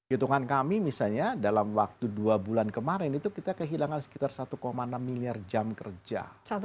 hitungan kami misalnya dalam waktu dua bulan kemarin itu kita kehilangan sekitar satu enam miliar jam kerja